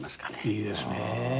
いいですねぇ。